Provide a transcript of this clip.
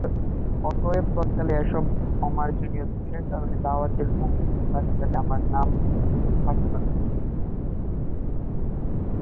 অতএব তৎকালে এতসব অমার্জনীয় দোষের কারণে দাওয়াতের সংক্ষিপ্ত তালিকাতে আমার নাম থাকত না।